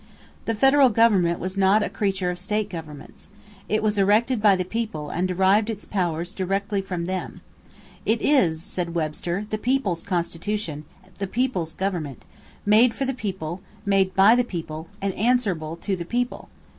The federal government was not a creature of state governments. It was erected by the people and derived its powers directly from them. "It is," said Webster, "the people's Constitution, the people's government; made for the people; made by the people; and answerable to the people.